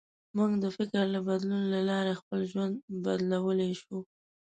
موږ د فکر د بدلون له لارې خپل ژوند بدلولی شو.